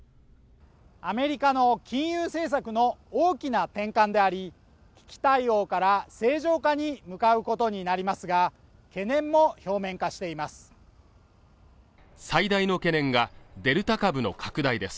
アメリカの金融政策の大きな転換であり危機対応から正常化に向かうことになりますが懸念も表面化しています